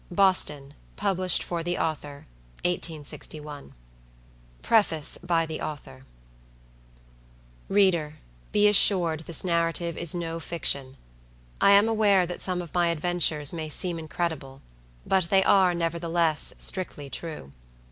Boston: Published For The Author. 1861. Preface By The Author Reader be assured this narrative is no fiction. I am aware that some of my adventures may seem incredible; but they are, nevertheless, strictly true.